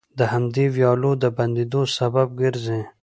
د همدې ويالو د بندېدو سبب ګرځي،